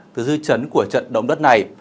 từ dư chấn của trận động đất này